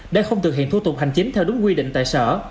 đã không thực hiện thu tục hành chính theo đúng quy định tại sở